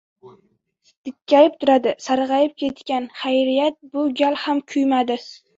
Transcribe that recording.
Dikkayib turadi, sarg‘ayib ketgan. Xayriyat, bu gal ham kuymadi.